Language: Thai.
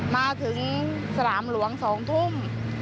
มาถึงสนามหลวง๒ทุ่ม